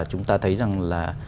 chúng ta thấy rằng là